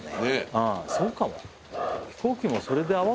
そうかもね。